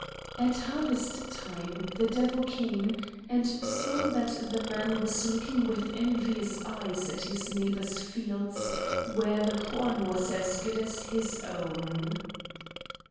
At harvest time the devil came, and saw that the man was looking with envious eyes at his neighbor's fields where the corn was as good as his own.